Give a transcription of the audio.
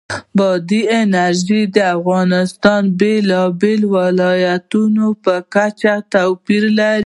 بادي انرژي د افغانستان د بېلابېلو ولایاتو په کچه توپیر لري.